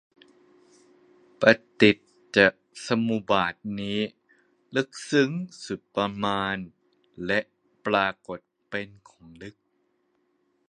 ปฏิจจสมุบาทนี้ ลึกซึ้งสุดประมาณและปรากฏเป็นของลึก